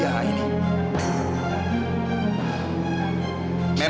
masih yang bisa kutipkan spstory itu